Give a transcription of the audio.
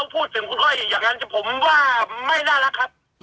พูดถึงคุณอ้อยอย่างนั้นผมว่าไม่น่ารักครับ